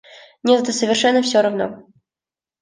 Нет, это совершенно все равно.